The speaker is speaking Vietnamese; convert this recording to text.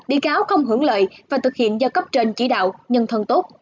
bị cáo không hưởng lợi và thực hiện do cấp trên chỉ đạo nhân thân tốt